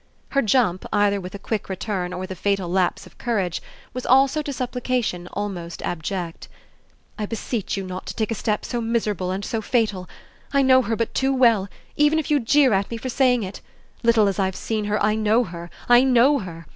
Her jump, either with a quick return or with a final lapse of courage, was also to supplication almost abject. "I beseech you not to take a step so miserable and so fatal. I know her but too well, even if you jeer at me for saying it; little as I've seen her I know her, I know her.